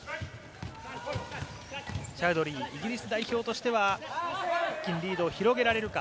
チャウドリー、イギリス代表としては、一気にリードを広げられるか。